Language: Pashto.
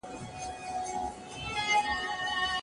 که ته په لېوالتیا کار وکړې نو هدف ته رسېږې.